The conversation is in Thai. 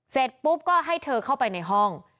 เสร็จปุ๊บก็ให้เธอเข้าไปในห้อง